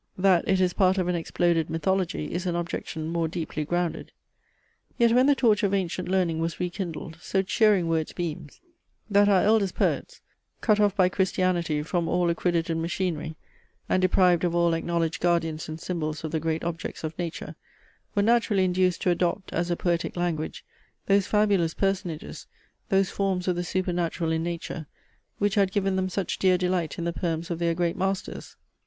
That it is part of an exploded mythology, is an objection more deeply grounded. Yet when the torch of ancient learning was re kindled, so cheering were its beams, that our eldest poets, cut off by Christianity from all accredited machinery, and deprived of all acknowledged guardians and symbols of the great objects of nature, were naturally induced to adopt, as a poetic language, those fabulous personages, those forms of the supernatural in nature, which had given them such dear delight in the poems of their great masters.